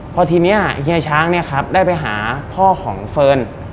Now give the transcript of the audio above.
พอทีนี้เฮียช้างเนี่ยครับได้ไปหาพ่อของเฟิร์น